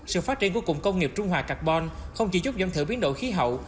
sự phát triển của cụm công nghiệp trung hòa carbon không chỉ giúp giảm thiểu biến đổi khí hậu